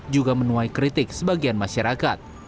juga menuai kritik sebagian masyarakat